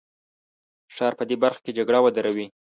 د ښار په دې برخه کې جګړه ودروي.